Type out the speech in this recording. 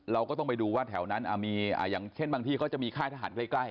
เราก็ต้องไปดูว่าแถวนั้นมีอย่างเช่นบางที่เขาจะมีค่ายทหารใกล้